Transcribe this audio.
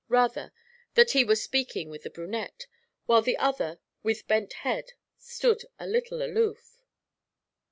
Rather, that he was speaking with the brunette, while the other, with bent head, stood a little aloof.